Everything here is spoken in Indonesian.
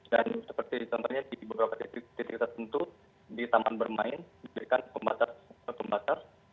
dan seperti contohnya di beberapa titik tertentu di taman bermain diberikan pembaca pembaca